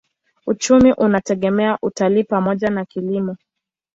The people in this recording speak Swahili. Uchumi unategemea utalii pamoja na kilimo.